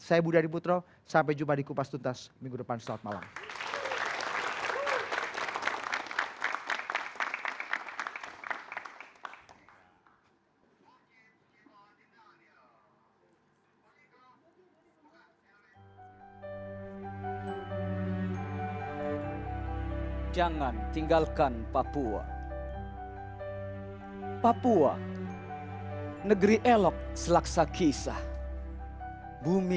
saya budha dibutro sampai jumpa di kupas tuntas minggu depan selamat malam